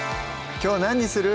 きょう何にする？